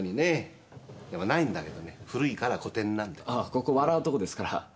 ここ笑うとこですから。